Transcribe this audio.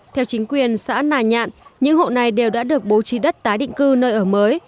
theo chính quyền xã nà nhạn những hộ này đều đã được bố trí đất tái định cư nơi ở mới